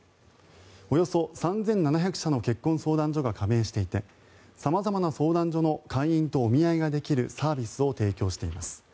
およそ３７００社の結婚相談所が加盟していて様々な相談所の会員とお見合いができるサービスを提供しています。